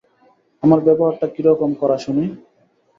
আমার ব্যবহারটা কিরকম কড়া শুনি।